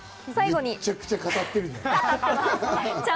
むちゃくちゃ語ってるじゃん。